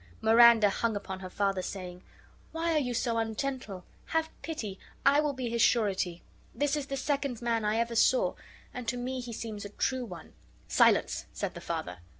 Miranda hung upon her father, saying: "Why are you so ungentle? Have pity, I will be his surety. This is the second man I ever saw, and to me he seems a true one." "Silence!" said the father.